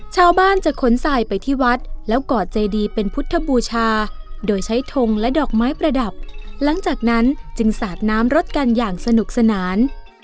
ชาวบ้านจะขนทรายไปที่วัดแล้วก่อเจดีเป็นพุทธบูชาโดยใช้ทงและดอกไม้ประดับหลังจากนั้นจึงสาดน้ำรถกันอย่างสนุกสนาน